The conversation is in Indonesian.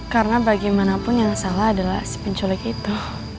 karena bagaimanapun yang salah adalah si penculik itu